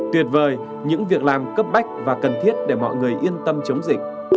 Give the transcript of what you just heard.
tuyệt vời những việc làm cấp bách và cần thiết để mọi người yên tâm chống dịch